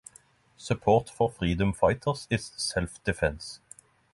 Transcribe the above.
Support for freedom fighters is self-defense.